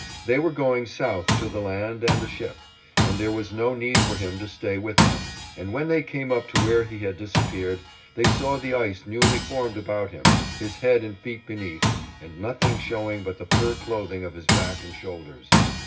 They were going south to the land and the ship, and there was no need for him to stay with them, and when they came up to where he had disappeared, they saw the ice newly formed about him, his head and feet beneath, and nothing showing but the fur clothing of his back and shoulders.